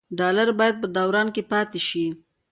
ډالر باید په دوران کې پاتې شي.